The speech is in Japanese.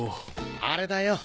あれだよ